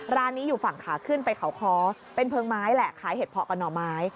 ร้านนี้อยู่ฝั่งขาขึ้นไปเขาค้อเป็นเพลิงไม้แหละขายเห็ดเพาะกับหน่อไม้